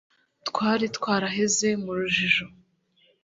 twari twaraheze mu rujijo